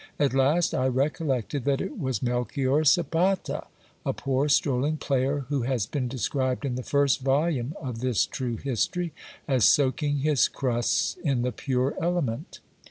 At last I recollected that it was Melchior Zapata, a poor strolling player, who has been described in the first volume of this true history, as soaking his crusts in the pure element.